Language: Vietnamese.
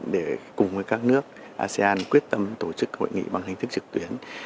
để cùng với các nước asean quyết tâm tổ chức hội nghị bằng hình thức trực tuyến